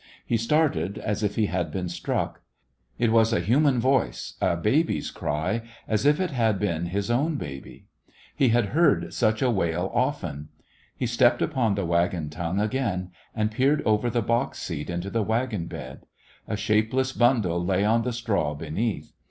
He started as if he had been struck. It was a human voice, a baby's cry, as if it had been The West Was Yowng his own baby I He had heard such a wail often. He stepped upon the wagon tongue again and peered over the box seat into the wagon bed. A shapeless bundle lay on the straw be neath.